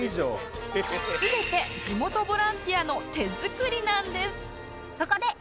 全て地元ボランティアの手作りなんです